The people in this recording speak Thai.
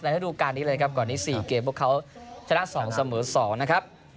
ระดูการนี้เลยครับก่อนนี้๔เกมพวกเขาชนะ๒เสมอ๒นะครับ